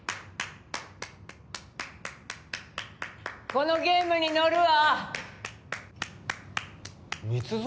このゲームに乗るわ蜜園